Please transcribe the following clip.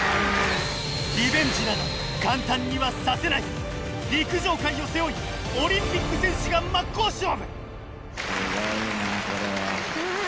リベンジなど簡単にはさせない陸上界を背負いオリンピック選手が真っ向勝負すごいなこれは。